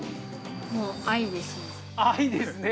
もう愛ですね。